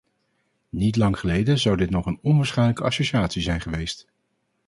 Niet lang geleden zou dit nog een onwaarschijnlijke associatie zijn geweest.